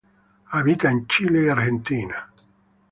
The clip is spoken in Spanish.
Habita en Chile y Argentina.